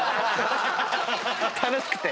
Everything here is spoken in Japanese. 楽しくて。